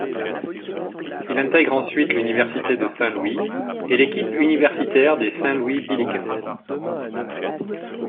Il intègre ensuite l'Université de Saint-Louis et l'équipe universitaire des Saint Louis Billikens.